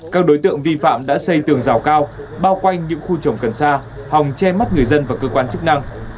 các đối tượng vi phạm đã xây tường rào cao bao quanh những khu trồng cần xa hòng che mắt người dân và cơ quan chức năng